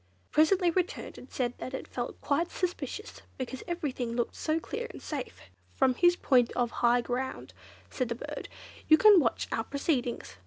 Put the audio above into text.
It presently returned and said that it felt quite suspicious, because everything looked so clear and safe. "From his point of high ground," said the bird, "you can watch our proceedings.